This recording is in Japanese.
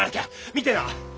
見てな！